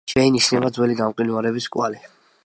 შეინიშნება ძველი გამყინვარების კვალი.